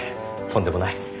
とんでもない。